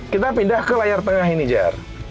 kita pindah ke layar tengah ini jar